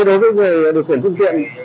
đối với người điều khiển phương tiện